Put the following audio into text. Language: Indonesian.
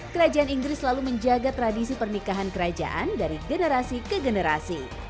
kerajaan inggris selalu menjaga tradisi pernikahan kerajaan dari generasi ke generasi